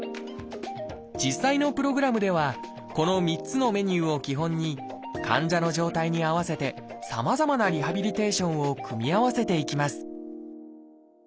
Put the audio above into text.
実際のプログラムではこの３つのメニューを基本に患者の状態に合わせてさまざまなリハビリテーションを組み合わせていきます